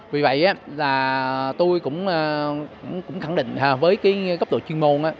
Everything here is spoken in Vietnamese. vì vậy là tôi cũng khẳng định với cái cấp độ chuyên môn